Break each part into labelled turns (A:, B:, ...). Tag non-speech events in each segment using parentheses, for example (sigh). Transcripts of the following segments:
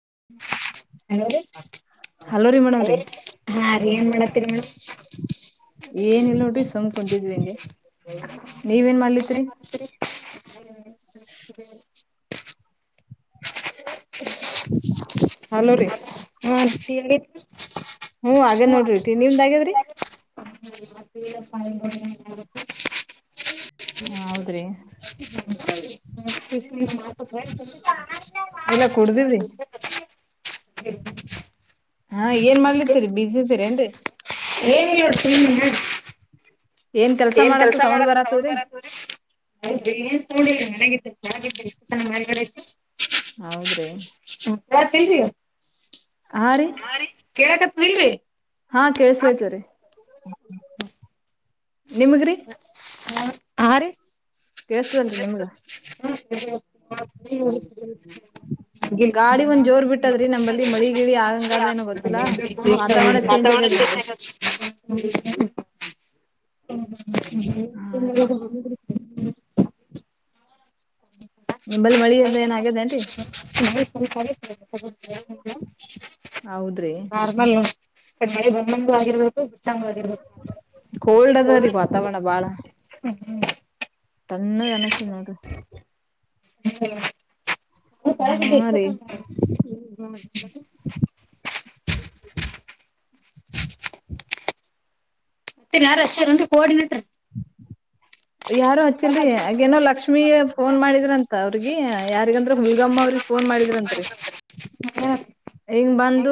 A: ಹ
B: ಹಲೋ
A: ರೀ
B: ಹಾ ಏನ್ ಮಾಡತ್ತೀರಿ ಮೇಡಮ್
A: ಏನಿಲ್ಲ ನೋಡ್ರಿ ಸುಮ್ ಕುಂತಿದ್ವಿ ಇಂಗೆ ನೀವೇನ್ ಮಾಡ್ಲತ್ರಿ.
B: ಹ್ಮ. ಹ್ಮ್.
A: ಹಲೋ ರೀ.
B: ಹಾ ಹೇಳ್
A: ಹ್ಮ್ ಹದೆ ನೋಡ್ರಿ ಟಿ ನಿಮ್ದ್ ಆಗ್ಯಾದ್ರಿ.
B: (unintelligible)
A: ಹ ಹೌದ್ರಿ.
B: (unintelligible)
A: ಹಾ. ಹಾ ಏನ್ ಮಾಡ್ಲತ್ತೆರಿ ಬ್ಯುಸಿ ಅದಿರ್ ಏನ್ರಿ.
B: ಏನ್ ಇಲ್ ಏನ್ ಕೆಲ್ಸ ಮಾಡತೀ ಸೌಂಡ್ ಬರತದ್ರಿ. ಏನ್ ತೊಗೊಂಡ್ಲಿ ಮನೆ (unintelligible)
A: ಹೌದ್ರಿ.
B: ಹ್ಮ್
A: ಹಾ ರೀ.
B: ಕೇಳಾಕತೀನಿಳ್ರಿ.
A: ಹಾ ಕೆಲ್ಸತೆದ್ರಿ ನಿಮಗ್ರಿ.
B: ಹಾ ರೀ.
A: ಕೆಲ್ಸದಳ್ರಿ ನಿಮ್ಗ.
B: (inaudible)
A: ಗಾಡಿ ಒಂದ್ ಜೋರ್
B: (unintelligible)
A: ಬಿಟ್ಟದ್ರಿ ನಂಬಲ್ಲಿ ಮಳಿ ಗಿಳಿ ಆಗಂಗಾದ ಏನೋ
B: (unintelligible)
A: ಗೊತ್ತಿಲ್ಲಾ ವಾತಾವರಣ ಚೇಂಜ್
B: (inaudible)
A: ಆಗ್ಯದ್ರಿ
B: (unintelligible)
A: ಹಾ ರೀ
B: (unintelligible)
A: ನಿಂಬಲ್ಲಿ ಮಳೆ ಇಲ್ದೆ ಎನಗೆದೇನ್ರಿ.
B: ನಾ
A: ಹೌದ್ರಿ.
B: ಇದ್ ಮಳೆ ಬಂದ್ ಬಂದು ಆಗಿರ್ಬದು.
A: ಕೋಲ್ಡ್ ಅದರಿ ವಾತಾವರಣ
B: (unintelligible) ಹ್ಮ್.
A: ತಂಣ್ಣುಗನುಸ್ತದ್ ನೋಡ್ರಿ.
B: ಹ. ಕೆಳಗಿದೆ
A: ಹಾ ರೀ
B: ಎಷ್ಟೊನ ಹ್ಮ್
A: ಹಮ್.
B: (unintelligible) (inaudible) ಮತ್ ಇನ್ಯಾರು ರೆಸ್ಟೋರೆಂಟು ಕೊರ್ಡಿನೆಟ್ರೂ.
A: ಯಾರು ಹಚ್ಚಿಲ್ರಿ ಅಗೇನೋ ಲಕ್ಷ್ಮೀ ಫೋನ್ ಮಾಡಿದ್ರಂತ ಅವರ್ಗಿ ಯಾರಿಗಂದ್ರ ಹುಲ್ಗಮ್ ಅವ್ರಿಗ್ ಫೋನ್ ಮಾಡಿದ್ರಂತ್ರಿ.
B: ಹಾ.
A: ಹಿಂಗ್ ಬಂದು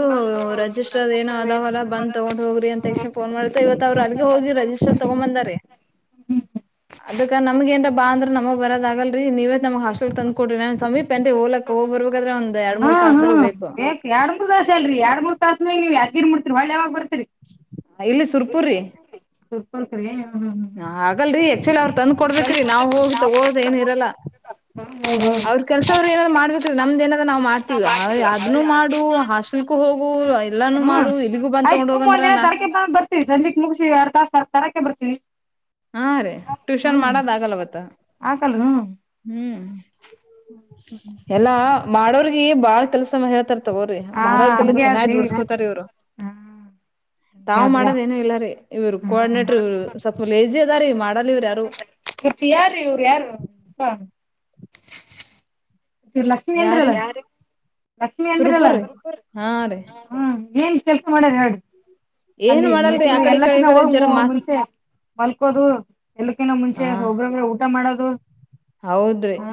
A: ರಜಿಸ್ಟರ್ ಏನ ಅಾವಲ್ಲ ಬಂದ್ ತಗೊಂಡ್ ಹೋಗ್ರಿ ಅಂತ ತಕ್ಷಣೆ ಫೋನ್ ಮಾಡ್ತ ಇವತ್ತು ಅವ್ರು ಅಲ್ಲಿಗೆ ಹೊ ಹೋಗಿರ ರಜಿಸ್ಟರ್ ತಗೊಂಬಂದರೆ. ಅದಕ್ಕ ನಮಗೆ ಏನ್ರ ಬಾ ಅಂದ್ರ ನಮುಗ್ ಬರದ ಆಗಲ್ರಿ ನೀವೇ ನಮಗ್ ಹಸ್ಟಲ್ ತಂದ್ ಕೊಡ್ರಿ ನ ಸಮೀಪ ಪೆಂಡಿ ಹೋಲಕ್ ಒಬರ್ ಹಾಗಾದ್ರ ಒಂದ್ ಎರಡ್ ಮೂರ್ ತಾಸರ ಬೇಕು.
B: ಎರಡು ಮೂರಸ್ ಎಲ್ರಿ ಎರಡು ಮೂರ್ ತಸ್ನೆಗ್ ನೀವು ಯತ್ಗಿರ್ ಮುತ್ತಿರ್ ವಳ್ ಯಾವಾಗ್ ಬಾ
A: ಇಲ್ಲಿ ಸುರ್ಪುರಿ.
B: (unintelligible)
A: ನಾ ಆಗಲ್ರಿ ಅಕ್ಟುಲಿ ಅವ್ರ್ ತಂದ್ ಕೊಡ್ಬೇಕ್ರಿ ನಾವ್ ಹೋಗಿ ತಗೋಳೋದ್ ಏನ್ ಇರಲ್ಲ. ಅವ್ರ ಕೆಲ್ಸ ಅವ್ರ್ ಏನಾದ ಮಾಡ್ಬೇಕ್ರಿ ನಮ್ದ್ ಏನಾದ ನಾವ್ ಮಾಡ್ತೀವಿ ಹೈ ಅದನುೂ ಮಾಡು ಹೊಸ್
B: ಹ್ಮ್ ಆಯ್ತ್
A: ತಗೊಂಡ್
B: ಸುಮಗ್
A: ಹೋಗಂದ್ರ
B: ನೀನು ಒಂದ್
A: ನಾ
B: ತಾರೀಕಿಗ್ ನಾವ್ ಬರ್ತೀವಿ ಸಂಜಿಕ್ ಮುಗಿಸಿ ಎರ್ ತರಕ್ಕೆ ಬರ್ತಿವಿ.
A: ಹಾ ರೀ ಟ್ಯೂಷನ್ ಮಾಡೋದ ಆಗಲ್ಲವತ್ತ
B: ಹಾಕಲ್ ಹ್ಮ್
A: ಹ್ಮ್.
B: (unintelligible)
A: ಎಲ್ಲಾ ಮಾಡೋರಿಗಿ ಬಾಳ್ ಕೆಲ್ಸನೂ ಹೇಳ್ತಾರ ತಗೋರಿ
B: ಹಾ
A: ಮಾಡೋರ್ಕೈಲಿ
B: ಹಂಗೆ
A: ಚೆನ್ನಾಗ್
B: ಆದ್ರಿ ಹಾ
A: ದುಡ್ಸ್ಕೋತಾರ ಇವ್ರು.
B: ಹಂಗೆ
A: ತಾವು
B: ಆದ್ರಿ
A: ಮಾಡೋದ ಏನು ಇಲ್ಲಾರಿ ಇವ್ರು ಕೋಆರ್ಡಿನೇಟರ್ ಇವ್ರು ಸ್
B: ಉಹು ಮತ್ತ ಯಾರ ಇವರು ಯಾರು (unintelligible) ರ್ ಲಕ್ಷ್ಮಿ ಅಂದ್ರಿ
A: ಯಾರೀ
B: ಅಲಾ ಯಾರ್ರಿ. ಲಕ್ಷ್ಮಿ ಅಂದ್ರಲ್ಲ
A: ಸುರ್ಪುರ್ ಹಾ ರೀ
B: ಹ್ಮ ಏನ್ ಕೆಲ್ಸ ಮಾಡ್ಯಾರ ಹೇಳ್ರಿ.
A: ಏನ್
B: ಅಲ್ಲಿ
A: ಮಾಡಲ್ರಿ
B: ಮೀಟಿಂಗ್
A: ಆಕಡೆ ಈ ಕಡೆ ಈ
B: ಎಲ್ಲಕಿನ
A: ಕಡೆ
B: ಹೋಗಿ
A: ಜರ ಮಾತ್
B: ಮುಂಚೆ ಮಲ್ಕೋದು ಎಲ್ಲಕ್ಕಿನ
A: ಹ
B: ಮುಂಚೆ ಹೋಗೋಗಿ ಊಟ ಮಾಡೋದು
A: ಹೌದ್ರಿ.
B: ಹಾ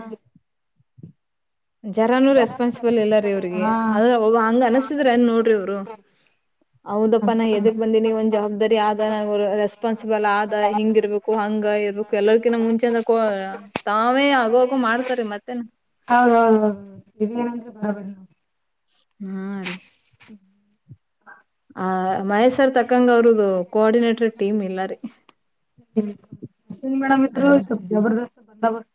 A: ಜರಾನೂ ರೆಸ್ಪಾನ್ಸಿಬಲ್ ಇಲ್ಲ ರೀ ಇವ್ರಿಗೆ ಅದ ಒಬ್ ಹಂಗ ಅನಸ್ತಿದ್ರ ಏನ್ ನೋಡ್ರಿ ಇವ್ರು. ಹೌದಪ್ಪಾ ನಾ ಎದಕ್ ಬಂದೀನಿ ಒಂದ್ ಜವಾಬ್ದಾರಿ ಆದ ನಂಗ್ ರೇಸ್ ಪಾನ್ಸಿಬಲ್ ಆದ ಹಿಂಗ ಇರ್ಬೇಕು ಹಂಗ ಇರ್ಬೇಕು ಎಲ್ಲರ್ಕಿನ ಮುಂಚೆ ಅಂದ್ರ ಕೊ ಅ ತಾವೇ ಅಗವ್ ಅಗವ್ ಮಾಡ್ತಾರೆ ಮತ್ತೇನ.
B: ಹೌದೌದ ಹೌದ ಇದೇನಂದ್ರೆ ಭಾಳ (unintelligible)
A: ಹಾ ರೀ.
B: (unintelligible)
A: ಆ ಮಹೇಶ್ ಸರ್ ತಕ್ಕಂಗ ಅವ್ರದು ಕೋಆರ್ಡಿನೇಟರ್ ಟೀಮ್ ಇಲ್ಲ ರೀ.
B: ಅಶ್ವಿನಿ ಮೇಡಂ ಇದ್ರು ಜಬರ್ದಸ್ತ ಬಂದೋಬಸ್ತ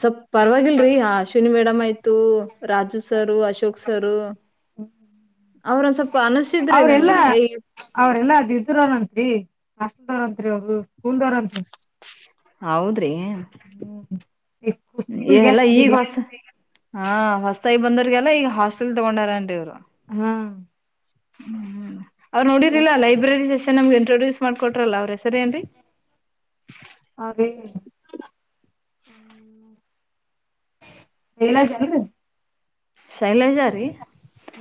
A: ಸ್ವಲ್ ಪರವಾಗಿಲ್ರಿ ಹ ಅಶ್ವಿನಿ ಮೇಡಮ್ ಆಯ್ತು ರಾಜು ಸರು ಅಶೋಕ್ ಸರು. ಅವ್ರೊಂದ್ ಸ್ವಲ್ಪ ಅನಸಿದ್ರಿ ನನ್ಗ
B: ಅವ್ರೆಲ್ಲಾ
A: ಏ
B: ಅವ್ರೆಲ್ಲಾ ಅದ ಇದ್ರ ಏನಂತ್ರಿ ಸ್ಕೂಲ್ ದಾವ್ರ ಅಂತ್ರಿ ಅವ್ರದು ಸ್ಕೂಲ್ದವ್ರ ಅಂತ್.
A: ಹೌದ್ರಿ
B: ಈ
A: ಎ
B: ಸ್ಕೂಲ್
A: ಎಲ್ಲ
B: ಗೆಸ್ಟ್
A: ಈಗ ಹೊಸ ಹಾ ಹೊಸತಾಯ ಬಂದರ್ರಿಗೆಲ್ಲ ಈಗ ಹಾಸ್ಟೆಲ್ ತಗೊಂಡಾರ ಏನ್ರಿ ಇವ್ರು.
B: ಹಾ
A: ಹ್ಮ್ ಅವ್ರ ನೋಡಿರ್ಲಿಲ್ಲಾ ಲೈಬ್ರರಿ ಸೆಷನ್ ನಮ್ಗೆ ಇಂಟ್ರೊಡ್ಯೂಸ್ ಮಾಡ್ಕೊಟ್ರಲ್ಲ ಅವ್ರ ಹೆಸರಿ ಏನ್ರಿ.
B: ಅದೇ ಹ್ಮ ಹೇಳಲ್ದೇನ್ರಿ.
A: ಶೈಲಜ ರೀ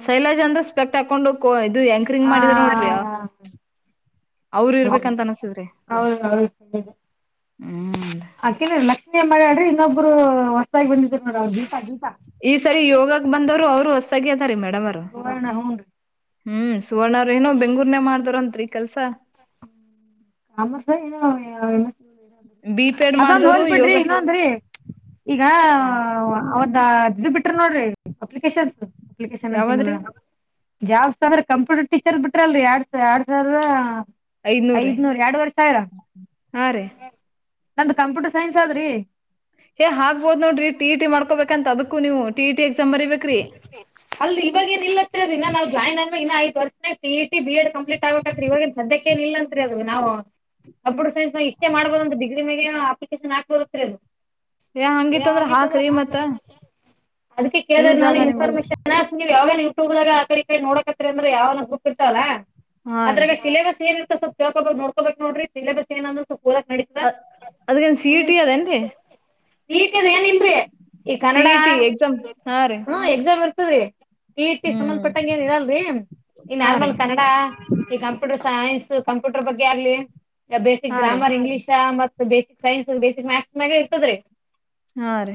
A: ಶೈಲಜ್ ಅಂದ್ರೆ ಸ್ಪೆಕ್ಟ್ ಹಾಕೊಂಡು ಕೋ ಇದು ಎಂಕರಿಂಗ್
B: ಹಾ
A: ಮಾಡಿದ್ರ
B: ಹಾ
A: ನೋಡ್ರಿ ಅವ್ರು
B: ಹಾ ಹಾ ಹ
A: ಇರ್ಬೇಕಂತ ಅನಸದ್ರಿ
B: ಹೌದ ಹೌದ.
A: ಹ್ಮ್
B: ಆಕೀನೆ ಲಕ್ಷ್ಮಿ ಏನ್ ಮಾಡ್ಯಾಲ್ರಿ ಇನ್ನೊಬ್ರು ಹೊಸದಾಗಿ ಬಂದಿದರು (unintelligible)
A: ಈ ಸರಿ ಯೋಗಾಕ ಬಂದವ್ರು ಅವರು ಹೊಸದಾಗಿ ಅದಾರಿ ಮೇಡಮ್ ಅವರು.
B: ಸುವರ್ಣ ಹೂನ್ರಿ
A: ಹ್ಮ್ ಸುವರ್ಣ ಅವ್ರ ಏನೋ ಬೆಂಗಳೂರ್ನಾಗ್ ಮಾಡ್ದವ್ರ ಅಂತ್ರಿ ಕೆಲ್ಸ.
B: ಕಾಮ ಏ
A: ಬಿ ಪೇಡ್
B: ಅದೊಂದ್
A: ಮಾಡ್ದವ್ರು
B: ಹೋಲ್
A: ಯೋಗ
B: ಬಿಡ್ರಿ ಇನ್ನೊಂದರಿ ಈಗ ಅವದ ಇದ್ದು ಬಿಟ್ಟ ಬಿಟ್ರ ನೋಡ್ರಿ ಅಪ್ಲಿಕೇಶನ್ ಅಪ್ಲಿಕೇಶನ್ ಅಂತಿನಲ್
A: ಯಾವದ್ರಿ
B: ಜಾಬ್ ಅಂದ್ರ ಕಂಪ್ಯೂಟರ್ ಟೀಚರ್ ಬಿಟ್ರ ಅಲ್ರಿ ಯಾಡ್ ಎರಡ್ ಸಾವಿರ
A: ಐನೂರ ರಿ.
B: ಹ್ಮ್ ಎರಡು ವರಿ ಸಾವ್ರ ನಂದ ಕಂಪ್ಯೂಟರ್ ಸೈನ್ಸ್ ಆದ್ರಿ.
A: ಏ ಹಾಕ್ಬೋದ ನೋಡ್ರಿ ಟಿಇಟಿ ಮಾಡ್ಕೋಬೇಕ ಅಂತ ಅದಕ್ಕೂ ನೀವು. ಟಿ ಇ ಟಿ ಎಕ್ಸಾಮ್ ಬರಿಬೇಕ್ರಿ
B: ಅಲ್ರೀ ಇವಾಗೇನಿಲ್ಲ ಇನ್ನ ನಾವು ಜಾಯನ್ ಆದ ಮ್ಯಾಲ ಇನ್ನ್ ಐದ ವರ್ಷನಾಗ್ ಟಿಇಟಿ ಬಿ ಎಡ್ ಕಂಪ್ಲೀಟ್ ಆಗ್ಬೇಕ್ ಅತ್ತ ಇವಾಗೆನ್ ಸದ್ಯಕ್ಕ ಏನಿಲ್ಲ ಅಂತ್ರಿ ಅದು ನಾವು ಕಂಪ್ಯೂಟರ್ ಸೈನ್ಸ್ನಾಗ್ ಇಷ್ಟೇ ಮಾಡಬೋದ ಅಂತ ಡಿಗ್ರಿ ಮ್ಯಾಗೆ ಅಪ್ಲಿಕೇಶನ್ ಹಾಕ್ಬೋದ ಅಂತ್ರಿ ಅದು.
A: ಏ ಹಂಗಿತ್ತ ಅಂದ್ರ ಹಾಕ್ರಿ ಮತ್ತ.
B: ಅದಕ್ಕೆ ಕೇಳ್ದೇರಿ
A: ಯೂಸ್
B: ನಾನು
A: ಅದ ನಿಮ್ಗ
B: ಇನ್ಫರ್ಮೇಷನ್. ನೀವು ಯಾವಾಗನಾ ಯೂಟ್ಯೂಬದಾಗ ಆಕಡಿ ಇಕಡಿ ನೋಡಕತ್ರಿ ಅಂದ್ರ ಯಾವನಾ ಗ್ರೂಪ್ ಇರ್ತಾವ್ ಅಲ್
A: ಹಾ ರೀ
B: ಅದ್ರಾಗ ಸಿಲೆಬಸ್ ಏನ್ ಸ್ವಲ್ಪ್ ಕೇಳ್ಕೋಬೇಕ್ ನೋಡ್ಕೋಬೇಕ ನೋಡ್ರಿ ಸಿಲೆಬಸ್ ಏನ್ ಅನ್ನೋದು. ಓದಕ್ ನಡಿತದ.
A: ಅದ್ಗೇನ್ ಸಿ ಇ ಟಿ ಅದೇನ್ರಿ
B: ಭೀತಿ ಅದು ಏನಿಲ್ರೀ ಈ
A: ಸಿ
B: ಕನ್ನಡ
A: ಇ ಟಿ ಹಾ ರೀ
B: ಸ ಟಿ ಇ ಟಿ
A: ಹ್ಮ್
B: ಸಂಬಂಧಪಟ್ಟಂಗ ಏನ್ ಇರಲ್ರಿ ಈ
A: ಹಾ
B: ನಾರ್ಮಲ್
A: ರೀ
B: ಕನ್ನಡ ಈ ಕಂಪ್ಯೂಟರ್ ಸೈನ್ಸ್ ಕಂಪ್ಯೂಟರ್ ಬಗ್ಗೆ ಆಗ್ಲಿ ಬೇಸಿಕ್
A: ಹಾ ರೀ
B: ಗ್ರಾಮರ್ ಇಂಗ್ಲೀಷ ಮತ್ ಕ್ ಸೈನ್ಸ್ ಬೇಸಿಕ್ ಮ್ಯಾಥ್ಸ್ ಮ್ಯಾಗ ಇರ್ತದ ರೀ
A: ಹಾ ರೀ.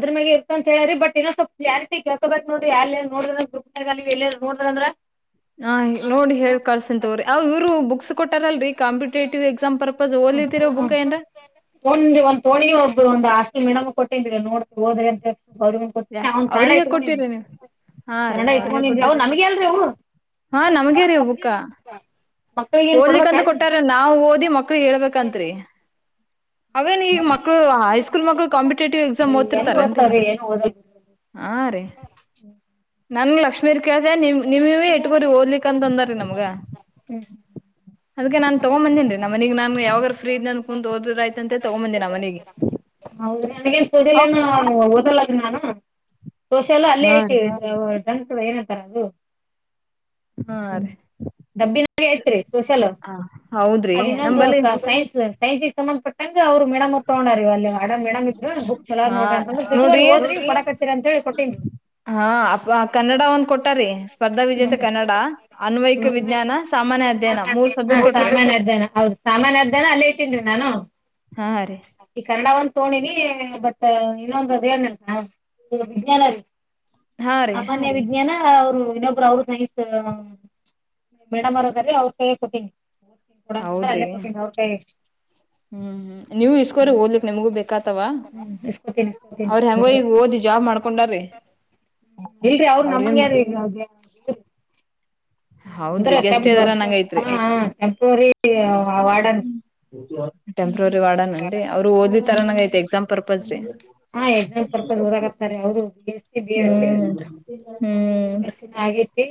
B: ಅದ್ರ ಮ್ಯಾಗ ಇರ್ತಂತ ಹೇಳ್ಯಾರೀ ಬಟ್ ಇನ್ನ ಸ್ವಲ್ ಕ್ಲಾರಿಟಿ ಕೇಳ್ಕೋಬೇಕ್ ನೋಡ್ರಿ ಅಲ್ಲೆ ನೋಡೀದ್ರ ಗ್ರೂಪ್ನ್ಯಾಗ ನೋಡ್ರಿ ಅಂದ್ರ
A: ಹಾ ನೋಡಿ ಹೇಳಿ ಕಳ್ಸ್ತನಿ ತುಗೋರಿ ಅವ್ ಇವ್ರು ಬುಕ್ಸ್ ಕೊಟ್ಟಾರಲ್ರೀ ಕಾಂಪಿಟೇಟಿವ್ ಎಕ್ಸಾಮ್ ಪರ್ಪಸ್ ಕಲಿತಿರೋ ಬುಕ್ಕ ಏಂಡ
B: ಒಂದ ಒಂದ್ ಪೋಣಿ ಒಬ್ರು ಒಂದು ಹಾಸ್ಟೆಲ್ ಮೇಡಮ್ ಗ ಕೊಟ್ಟೇನ್ರೀ ನೋಡ್ ಓದ್ರೆ ಅಂತೇಳಿ ಅವರಿಗೂ
A: ಯ
B: ಕೊಟ್ಟ್ನಿ ಅವ್ನ ಕನ್ನಡ
A: ಅವ್ರಿಗೆ
B: ಇಟ್ಕೊಂಡೀನಿ.
A: ಕೊಟ್ಟಿರಿ ನೀವ್ ಹಾ ರೀ
B: ಕನ್ನಡ
A: ಅವ್ರಿಗೆ
B: ಇಟ್ಗೊಂಡಿನ್ರೀ ಅವ್
A: ಕೊಟ್ಟಿರಿ
B: ನಮಗೆ ಅಲ್ರೀ ಅವು.
A: ಹಾ ನಮಗೇ ರೀ ಅವ್ ಬುಕ್ಕ.
B: ಮಕ್ಳಿಗೆ ಏನ್
A: ಓದಲಿಕ್ಕಂತ
B: ಕೊಡ್ಬೇಕೇನ್
A: ಕೊಟ್ಟಾರಿ ನಾವ್ ಓದಿ ಮಕ್ಳೀಗ ಹೇಳ್ಬೇಕಂತರಿ. ಅವೇನು ಈಗ ಮಕ್ಳು ಹೈಸ್ಕೂಲ್ ಮಕ್ಳು ಕಾಂಪಿಟೇಟಿವ್ ಎಕ್ಸಾಮ್
B: ಎಲ್ಲಿ
A: ತಾರೇನ್ರೀ
B: ಓದ್ತಾವ್ರಿ ಏನು ಓದಲ್
A: ಹಾ ರೀ ನಾ ನಿಮ್ ಲಕ್ಷ್ಮಿರ್ಗ ಕೇಳ್ದ್ಯಾ ನಿಮ್ ನಿ ನೀವೇ ಇಟ್ಗೋರಿ ಓದ್ಲಿಕ ಅಂತ ಅಂದಾರಿ ನಮಗ.
B: ಹ್ಮ್
A: ಅದಕ್ಕೆ ನಾನ್ ತಗೊಂಡ್ ಬಂದೀನ್ರೀ ನಮ್ಮನಿಗ್ ನಾನ್ ಯಾವಾಗರ ಫ್ರೀ ಇದ್ನನ್ ಕುಂತ್ ಓದಿದ್ರಾಯ್ತ ಅಂತೇಳಿ ತಗೊ ಬಂದಿನಾ ಮನಿಗೆ
B: (unintelligible) ನಾನು ಸೋಶಲ್ ಅಲ್ಲೇ
A: ಹಾ
B: ಐತಿ
A: ರೀ
B: ಟ್ರಂಕ್ ಏನಂತಾರ ಅದು
A: ಹಾ ರೀ.
B: ಡಬ್ಬಿನಾಗೆ ಐತ್ರಿ ಸೋಷಲ್
A: ಹೌದ್ರಿ
B: ಅದ ಇನ್ನೊಂದು
A: ನಂಬಲ್ಲಿ
B: ಸೈನ್ಸ್ ಸೈನ್ಸ್ಗೆ ಸಂಬಂಧಪಟ್ಟ್ ಹಂಗ ಅವ್ರ ಮೇಡಮ್ಮರ ತಗೊಂಡಾರೀ ಅಲ್ಲೇ ಅಡ ಮೇಡಮ್ ಇದ್ರ ಬುಕ್ ಚುಲೋದ್
A: ಹಾ
B: ನೋಡ್ರಿ ಅಂತಂದ್ರು ಇಟ್ಟಗೋರಿ
A: ನೋಡ್ರಿ
B: ಓದ್ರೀ ಕೊಡಕತ್ತಿರಿ ಅಂತ್ಹೇಳಿ ಕೊಟ್ಟೀನ್ರಿ
A: ಹಾ ಅಪಾ ಕ ನ್ನಡ ಒಂದ್ ಕೊಟ್ಟಾ ರೀ ಸ್ಪರ್ಧಾ ವಿಜೇತ ಕನ್ನಡ, ಅನ್ವಯಿಕ ವಿಜ್ಞಾನ, ಸಾಮಾನ್ಯ ಅಧ್ಯಯನ ಮೂರ್
B: ಹಾ
A: ಸಬ್ಜೆಕ್ಟ್ ಕೊಟ್ರಿ
B: ಸಾಮಾನ್ಯ ಅಧ್ಯಯನ ಹೌದು ಸಾಮಾನ್ಯ ಅಧ್ಯಯನ ಅಲ್ಲೇ ಇಟ್ಟೀನ್ರೀ ನಾನು
A: ಹಾ ರೀ
B: ತೊಂಡೇನೀ ಬಟ್ ಇನ್ನೊಂದು ಅದ ಏನ್ ವಿಜ್ಞಾನ ರೀ
A: ಹಾ ರೀ
B: ಮಾನ್ಯ ವಿಜ್ಞಾನ ಅವರು ಇನ್ನೊಬ್ರ ಅವರು ಸೈನ್ಸ್ ಮೇಡಮ್ ಅವ್ರದಾರೀ ಅವ್ರ ಕೈಯಾಗ ಕೊಟ್ಟೀನಿ ಕೊಡ ಅಂತಂದ್ರ
A: ಹೌದ್ರಿ
B: ಅಲ್ಲೇ ಕೊಟ್ಟೀನಿ ಅವ್ರ ಕೈಯಾಗ
A: ಹ್ಮ್ ಹ್ಮ್ ನೀವು ಇಸ್ಕೋರಿ ಓದ್ಲಿಕ್ ನಿಮ್ಗೂ ಬೇಕಾತವಾ
B: ಇಸ್ಕೋತೀನಿ ಇಸ್ಕೋತೀನಿ
A: ಅವ್ರ ಹೆಂಗೋ ಈಗ ಓದಿ ಜಾಬ್ ಮಾಡ್ಕೊಂಡಾರ್ರಿ
B: ಇಲ್ರಿ ಅವ್ರು
A: ಅವ್ರಗೇನ್
B: ನಮಂಗ್ಯಾರೀ ಈ
A: ಹೌದ್ರಿ
B: ಅಂದ್ರೆ
A: ಗೆಸ್ಟ್ ಇದಾರ
B: ಟೆಂಪ್ರವರಿ
A: ನಂಗ ಐತ್ರಿ
B: ವಾರ್ಡನ್
A: ಟೆಂಪ್ರವರಿ ವಾರ್ಡನನ್ರೀ ಅವರು ಓದಿದ್ತರ ನಂಗ ಐತಿ ಎಕ್ಸಾಮ್ ಪರ್ಪಸ್ ರೀ
B: ಹಾ ಎಕ್ಸಾಂ ಪರ್ಪಸ್ ಓದಾಕತ್ತಾರ್ರಿ ಅವರು ಬಿ ಸಿ ಬಿ ಎಡ್
A: ಹ್ಮ್ ಹ್ಮ್
B: ಎಸ್ ಸಿ ಆಗೇತಿ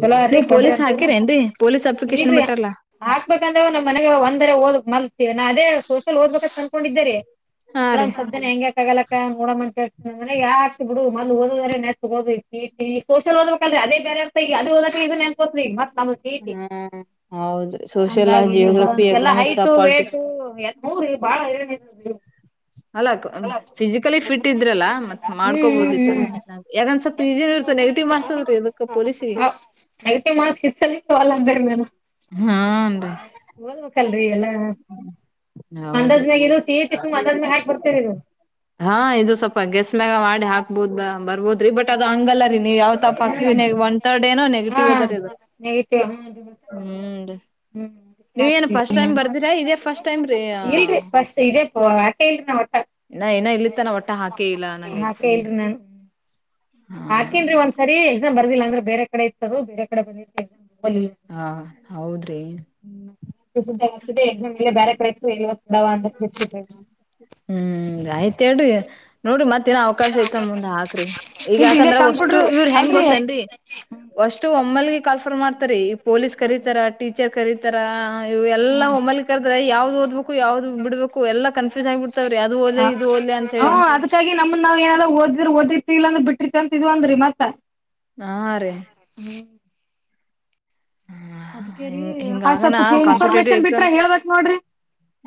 B: ಚಲೋ ಅರಿ
A: ನೀವ್
B: ಕೊಡ್ರಿ
A: ಪೊಲೀಸ್
B: ಅಂತ
A: ಹಾಕಿರೇನ್ರೀ ಪೊಲೀಸ್ ಅಪ್ಲಿಕೇಶನ್
B: ಇಲ್ರಿ
A: ಬಿಟ್ಟಾರಲ್ಲ
B: ಹಾಕ್ಬೇಕಂದ್ರ ನಮ್ಮ್ ಮನ್ಯಾಗ ಒಂದರ ಓದ್ ಮಲ್ತೇವೆ ನಾ ಅದೇ ಸೋಶಲ್ ಓದ್ಬೇಕಂತ ಅನ್ಕೊಂಡಿದ್ದೇರಿ
A: ಹಾ ರೀ
B: ನೋಡಮ್ ಸ್ವಪ್ದಿನ ಹೆಂಗ ತಗಲಕ್ಕ ನೋಡಂ ಅಂತೇಳಿ ಯಾ ಅತ್ತಿ ಬಿಡು ಮದ್ಲ ಓದೂದರ ನೆಟ್ಟಗ ಓದು ಈ ಈ ಸೋಶಿಯಲ್ ಓದ್ಬೇಕ ಅದೇ ಅದು ಓದಾಕ ಇದು ನೆನ್ಪ ಹೋಗ್ತದ್ರೀ ಮತ್ತ್ ನಮ್ ಟಿ ಇ ಟಿ
A: ಹ್ಮ್ ಹೌದ್ರಿ ಸೋಷಿಯಲ್
B: ಹಂಗಾಗಿ
A: ಜಿಯೋಗ್ರಫಿ
B: ಎಲ್ಲ
A: ಎಕನಾಮಿಕ್ಸ್
B: ಹೈಟ
A: ಪಾಲಿಟಿಕ್ಸ್
B: ವೇಟು ಹ
A: ಹಾಲಾಕು ಫಿಸಿಕಲಿ ಫಿಟ್ ಇದ್ರಲ್ಲ ಮತ್
B: ಹ್ಮ್ ಹ್ಮ್
A: ಮಾಡ್ಕೋಬಹುದಿತ್ತಲ್ಲ
B: ಹ್ಮ್
A: ಅದೊಂದ ಸ್ವಲ್ಪ ಈಜೀ ಇರ್ತ ನೆಗೆಟಿವ್ ಮಾರ್ಕ್ಸ್ ರೀ ಇದಕ್ಕ ಪೊಲೀಸಿಗೆ
B: (unintelligible)
A: ಹಾನ್ರಿ
B: ಓದ್ಬೇಕಲ್ರಿ ಎಲ್ಲ. ಅಂದಾಜ್
A: ಹೌದ್ರಿ
B: ಮ್ಯಾಗ್ (unintelligible) ಅಂದಾಜ್ ಮ್ಯಾಗ್ ಹಾಕ್ ಬರ್ತೀರಿ ನೀವು.
A: ಹಾ ಇದು ಸ್ವಲ್ಪ ಗೆಸ್ ಮ್ಯಾಗ ಮಾಡಿ ಹಾಕ್ಬೋದು ಬರ್ಬ್ ದ್ರಿ ಬಟ್ ಅದ ಹಂಗಲ್ಲ ರೀ ನೀವು ಯಾವ ತ
B: ಹ್ಮ್
A: ಪಕ್ಕ ಒನ್ ತರ್ಡ್ ಏನೋ
B: ಹಾ
A: ನೆಗೆಟಿವ್ ಅದರಿ ಅದು.
B: ನೆಗೆಟಿವ್.
A: ಹ್ಮ್ ರೀ. ನೀವ್ ಏನ್
B: ಹ್ಮ್
A: ಫಸ್ಟ್ ಟೈಮ್ ಬರ್ದಿರಾ ಇದೇ ಫಸ್ಟ್ ಟೈಮ್ ರೀ
B: ಇಲ್ರಿ ಫಸ್ಟ್ ಇದೇ ಹಾಕೆ ಇಲ್ರಿ ನಾ ಒಟ್ಟ
A: ಇನ್ನ ಏನ ಇಲ್ಲಿ ತನ ಒಟ್ಟ ಹಾಕಿ ಇಲ್ಲ ಅನ್ನಂಗೈತೆ.
B: ಹಾಕೀನ್ರಿ ಒಂದ್ ಸರಿ ಎಕ್ಸಾಮ್ ಬರ್ದಿಲ್ಲ ಅಂದ್ರ ಬೇರೆ ಕಡೆ ಇತ್ತದು ಬೇರೆ ಕಡೆ (unintelligible)
A: ಹಾ ಹೌದ್ರಿ.
B: ಫೀಸ್ ಇದ್ದಾಗ್ ಹಾಕಿದ್ದೆ ಎಕ್ಸಾಮ್ ಇಲ್ಲೇ ಬ್ಯಾರೆ ಕಡೆ ಇತ್ತು (unintelligible)
A: ಹ್ಮ್ ಆಯ್ತ್ ಹೇಳ್ರಿ ನೋ ಈಗ್ ಮತ್ತೇನ ಅವಕಾಶ ಇತ್ ಮುಂದೆ ಹಾಕ್ರಿ ಈಗ
B: ಇಲ್ರಿ ಇದೇ
A: ಯಾಕಂದ್ರ ಅಷ್ಟು
B: ಕಂಪ್ಯೂಟರ್
A: ಇವ್ರ್ ಹೆಂಗ್
B: ಅಲ್ರಿ
A: ಗೊತ್ತೇನ್ರಿ. ವಷ್ಟು ಒಮ್ಮಲ್ಗೆ ಕಾಲ್ಫರ್ ಮಾಡ್ತರಿ ಈ ಪೊಲೀಸ್ ಕರೀತಾರ ಟೀಚರ್ ಕರೀತಾರ. ಎಲ್ಲ ಒಮ್ಮಲಿ ಕರ್ದ್ರ ಯಾವ್ ಓದ್ಬೇಕು ಯಾವ್ದ್ ಬಿಡ್ಬೇಕು ಎಲ್ಲ ಕನ್ಫ್ಯೂಸ್ ಆಗಿ ಬಿಡ್ತಾವ್ರೀ ಅದು ಓದ್ಲೇ ಇದು ಓದ್ಲೇ ಅಂತ್
B: ಹಾ ಅದಕ್ಕಾಗಿ ನಮ್ದ್ ನಾವ್ ಏನಾದ್ ಓದಿದ್ರೆ ಓದಿರ್ತಿಲ್ಲ ಅಂದ್ರ ಬಿಟ್ಟಿರ್ತೀವಿ ಅಂತ ಇದ್ವನ್ರಿ ಮತ್ತ್.
A: ಹಾ ರೀ.
B: ಅದ್ಕೆ ರೀ
A: ಹಿಂಗ ಹಿಂಗಾಗನ
B: (unintelligible)
A: ಕಾಂಪಿಟೇಟಿವ್
B: ಇನ್ಫಾರ್ಮೇಶನ್ ಬಿಟ್ರೆ
A: ಎಕ್ಸಾಮ್
B: ಹೇಳ್ಬೇಕ್ ನೋಡ್ರಿ.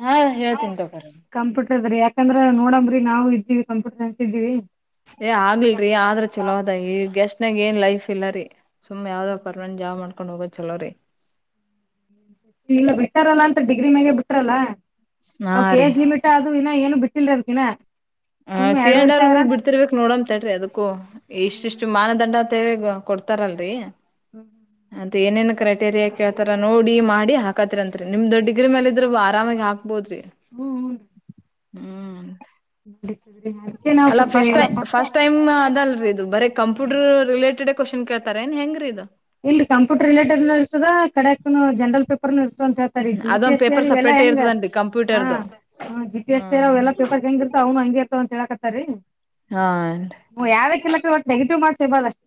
A: ಹಾ ಹೇಳ್ತೀನಿ ತಗೋರಿ
B: ಕಂಪ್ಯೂಟರ್ದ್ರಿ ಯಾಕಂದ್ರ ನೋಡಂಬ್ರಿ ನಾವು ಇದ್ದೀವಿ ಕಂಪ್ಯೂಟರ್ ಸೈನ್ಸ್ ಇದ್ದೀವಿ.
A: ಏ ಆಗಿಲ್ರಿ ಆದ್ರ ಚಲೋದ ಈ ಗೆಸ್ಟ್ ನಾಗೇನ್ ಲೈಫ್ ಇಲ್ಲ ರೀ ಸುಮ್ನೆ ಯಾವ್ದೋ ಪರ್ವಂಜಾ. (unintelligible) ಮಾಡ್ಕೊಂಡ್ ಹೋಗೋದ್ ಚಲೋ ರೀ.
B: ಇಲ್ಲ ಬಿಟ್ಟಾರಲ್ಲ ಅಂತ ಡಿಗ್ರಿ ಮ್ಯಾಗೆ ಬಿಟ್ರಲ್ಲ.
A: ಹಾ
B: ಅವಕೆ
A: ರೀ
B: ಏಜ್ ಲಿಮಿಟ ಅದು ಇನ ಏನು ಬಿಟ್ಟಿಲ್ರ ಅದಕಿನ.
A: ಹಾ
B: ಸುಮ್ಮ್
A: ಸಿ ಅಂಡ್
B: ಎರಡುವರೆ
A: ಆರ್
B: ಸಾವಿರ
A: ಹೂಲ್ ಬಿಡ್ತಿರ್ಬೇಕ್ ನೋಡಮ್ ತಡ್ರಿ ಅದಕ್ಕೂ ಇಷ್ಟಿಷ್ಟು ಮಾನದಂಡ. ತೆವೆಗ ಕೊಡ್ತಾರಲ್ರಿ.
B: ಹ್ಮ್.
A: ಅದ್ ಏನೇನ್ ಕ್ರೈಟೇರಿಯಾ ಕೇಳ್ತಾರ ನೋಡಿ ಮಾಡಿ ಹಾಕತಿರಿ ಅಂತ್ರಿ ನಿಮ್ದ ಡಿಗ್ರ ಮ್ಯಾಲಿದ್ರು ಆರಾಮಾಗಿ ಹಾಕ್ ಹಾಕ್ಬೋದ್ರಿ
B: ಹ್ಮ್ ಹ್ಮ್
A: ಹ್ಮ್.
B: (unintelligible)
A: ಅಲ್ಲ ಫಸ್ಟ್ ಟೈ
B: ಸ್ವಲ್ಪ
A: ಫಸ್ಟ್ ಟೈಮ್ ಅದಲ್ರಿ ಇದು ಬರೀ ಕಂಪ್ಯೂಟರ್ ರಿಲೇಟೆಡೇ ಕ್ವೆಷನ್ ಕೇಳ್ತಾರ ಏನ್ ಹೆಂಗ್ರೀ ಇದು.
B: ಇಲ್ರಿ ಕಂಪ್ಯೂಟರ್ ರಿಲೇಟೆಡ್ ನು ಇರ್ತದ ಕಡಕ್ನು ಜನರಲ್ ಪೇಪರ್ನು ಇರ್ ತಂತ್ ಹೇಳ್ತಾರೆ ಜಿ ಪಿ
A: ಅದೊಂದ್
B: ಎಸ್ ಸಿ
A: ಪೇಪರ್
B: ಯರಿವೆಲ್ಲ
A: ಸಪ್ರೇಟೇ
B: ಹೆಂಗ.
A: ಇರ್ತದನ್ರಿ
B: ಹಾ
A: ಕಂಪ್ಯೂಟರ್ದು
B: ಹಾ ಜಿ ಪಿ ಎಸ್ ಸಿ
A: ಹ್ಮ್
B: ಅವೆಲ್ಲ ಪೇಪರ್ಸ್ ಹೆಂಗಿರ್ತವ್ ಅವ್ನು ಹಂಗೆ ತ್ತು ಅಂತ ಹೇಳಕತ್ತ ರೀ
A: ಹಾ
B: ಹೂಂ ಯಾವ್ಯಕಿಲಕ ಒಟ್ಟ್ ನೆಗೆಟಿವ್ ಮಾರ್ಕ್ಸ್ ಇರ್ಬಾರ್ದ್ ಅಷ್ಟ್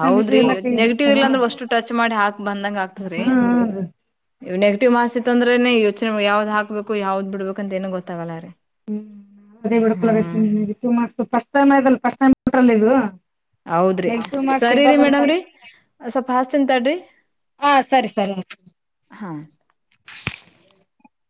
A: ಹೌದ್ರಿ ನೆೆಗೆಟಿವ್ ಇಲ್ಲಾಂದ್ರ ಒಷ್ಟು ಟಚ್ ಮಾಡಿ ಹಾಕ್ ಬಂದಂಗ ಆಗ್ತದ್ರಿ.
B: ಹಾ ರೀ
A: ಇವು ನೆಗೆಟಿವ್ ಮಾರ್ಕ್ಸ್ ಇತ್ತಂದ್ರೆನೇ ಯೋಚನೆ ಯಾವ್ದ್ ಹಾಕ್ಬೇಕು ಯಾವ್ದ್ ಬಿಡ್ಬೇಕು ಅಂತ ಏನು ಗೊತ್ತಾಗಲ್ಲ ರೀ. ಹ್ಮ್
B: (unintelligible)
A: ಹೌದ್ರಿ
B: ನೆಗೆಟಿವ್ ಮಾರ್ಕ್ಸ್
A: ಸರಿ ರೀ
B: ಇರ್ಬಾರ್ದಂತ
A: ಮೇಡಮ್ ರೀ. ಸ್ವಲ್ಪ ಹಸ್ತೀನ್ ತಡ್ರಿ
B: ಹಾ ಸರಿ ಸರಿ
A: ಹಾ. (inaudible)